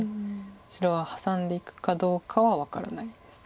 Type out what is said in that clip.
白がハサんでいくかどうかは分からないです。